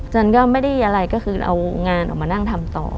จันก็ไม่ได้อะไรก็คือเอางานออกมานั่งทำต่อ